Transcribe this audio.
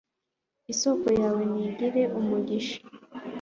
isoko yawe nigire umugisha